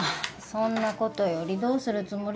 そんな事よりどうするつもり？